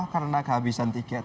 karena kehabisan tiket